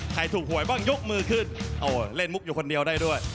ใครถูกหวยบ้างยกมือขึ้นโอ้เล่นมุกอยู่คนเดียวได้ด้วย